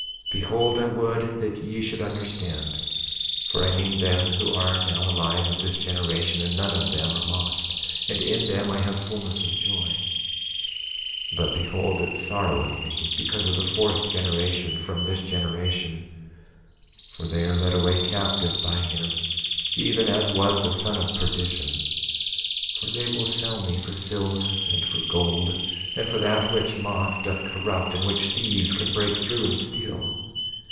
27:31 Behold, I would that ye should understand; for I mean them who are now alive of this generation; and none of them are lost; and in them I have fulness of joy. 27:32 But behold, it sorroweth me because of the fourth generation from this generation, for they are led away captive by him even as was the son of perdition; for they will sell me for silver and for gold, and for that which moth doth corrupt and which thieves can break through and steal.